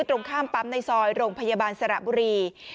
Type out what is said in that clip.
ตรงข้ามปั๊มในซอยโรงพยาบาลสระบุรี